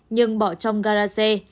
nhưng bỏ trong gara xe